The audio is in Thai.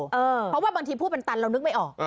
เพราะว่าบางทีพูดเป็นตันเรานึกไม่ออก